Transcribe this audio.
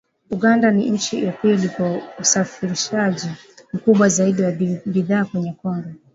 Uganda ni nchi ya pili kwa usafirishaji mkubwa zaidi wa bidhaa kwenda Kongo